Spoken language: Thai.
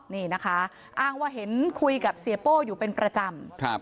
นี่นะคะอ้างว่าเห็นคุยกับเสียโป้อยู่เป็นประจำ